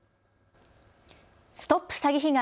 ＳＴＯＰ詐欺被害！